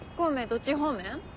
どっち方面？